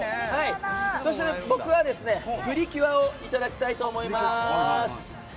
僕は「プリキュア」をいただきたいと思います。